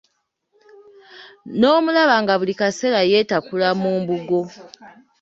N'omulaba nga buli kaseera yeetakula mu mbugo.